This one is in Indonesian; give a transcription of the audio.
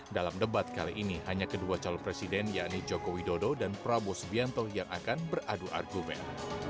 dalam debat kali ini hanya kedua calon presiden yakni joko widodo dan prabowo subianto yang akan beradu argumen